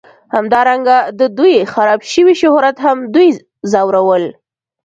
همدارنګه د دوی خراب شوي شهرت هم دوی ځورول